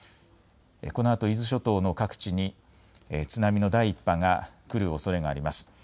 このあと伊豆諸島の各地に津波の第１波が来るおそれがあります。